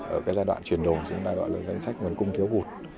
ở cái giai đoạn chuyển đầu chúng ta gọi là danh sách nguồn cung thiếu hụt